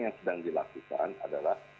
yang sedang dilakukan adalah